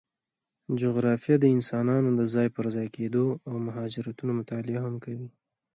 جغرافیه د انسانانو د ځای پر ځای کېدو او مهاجرتونو مطالعه هم کوي.